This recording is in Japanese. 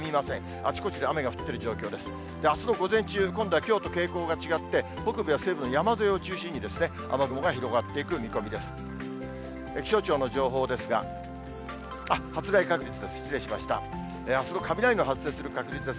あすの午前中、今度はきょうと傾向が違って、北部や西部の山沿いを中心に、雨雲が広がっていく見込みです。